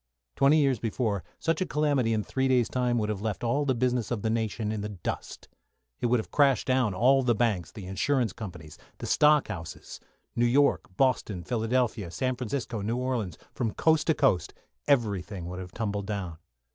Twenty years before, such a calamity in three days' time would have left all the business of the nation in the dust. It would have crashed down all the banks, the insurance companies, the stock houses. New York, Boston, Philadelphia, San Francisco, New Orleans from coast to coast, everything would have tumbled down.